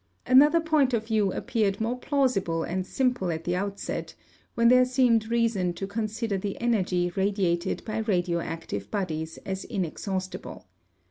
Another point of view appeared more plausible and simple at the outset, when there seemed reason to consider the energy radiated by radioactive bodies as inexhaustible.